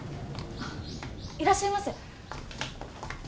あっいらっしゃいませ。